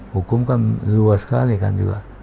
hukum kan luas sekali kan juga